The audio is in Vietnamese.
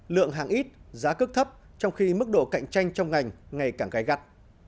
lượng hàng ít giá cước thấp trong khi mức độ cạnh tranh trong ngành ngày càng gai gắt